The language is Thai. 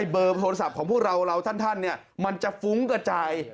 เบอร์โทรศัพท์ของพวกเราเราท่านมันจะฟุ้งกระจาย